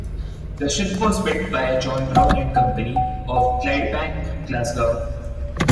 The ship was built by John Brown and Company of Clydebank, Glasgow.